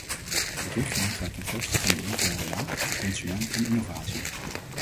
De richtlijn gaat ten koste van de interne markt, de consument en innovatie.